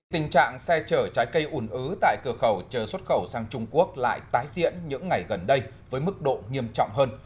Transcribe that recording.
tình trạng xe chở trái cây ủn ứ tại cửa khẩu chờ xuất khẩu sang trung quốc lại tái diễn những ngày gần đây với mức độ nghiêm trọng hơn